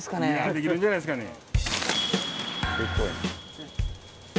できるんじゃないですかね。